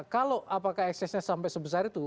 kalau apakah eksesnya sampai sebesar itu